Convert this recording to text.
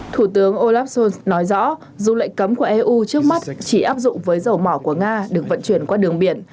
thủ tướng olaf scholz nói rõ dù lệnh cấm của eu trước mắt chỉ áp dụng với dầu mỏ của nga được vận chuyển qua đường biển